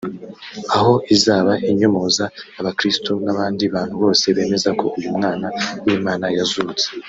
aho izaba inyomoza abakristu n’abandi bantu bose bemeza ko uyu mwana w’Imana yazutse